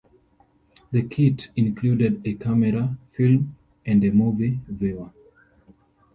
The kit included a camera, film, and a movie viewer.